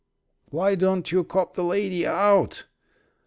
"Why don't you cop the lady out?"